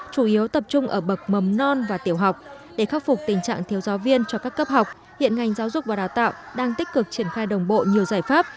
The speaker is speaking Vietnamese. chủ yếu tập trung ở bậc mầm non và tiểu học để khắc phục tình trạng thiếu giáo viên cho các cấp học hiện ngành giáo dục và đào tạo đang tích cực triển khai đồng bộ nhiều giải pháp